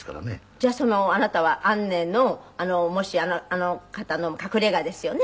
じゃああなたはアンネのあの方の隠れ家ですよね？